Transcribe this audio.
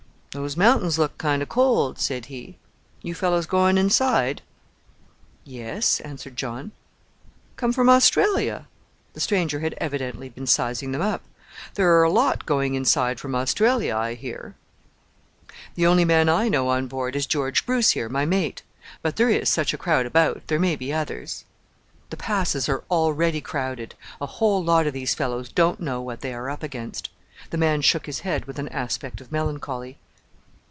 "Those mountains look kind o' cold," said he. "You fellows going inside?" "Yes," answered John. "Come from Australia?" The stranger had evidently been sizing them up. "There are a whole lot going inside from Australia, I hear." "The only man I know on board is George Bruce here, my mate; but there is such a crowd about there may be others!" "The passes are already crowded a whole lot of these fellows don't know what they are up against." The man shook his head with an aspect of melancholy.